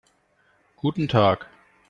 Guten Tag.